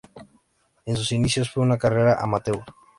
En sus inicios fue una carrera amateur.